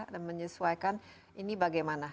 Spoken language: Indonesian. dan menyesuaikan ini bagaimana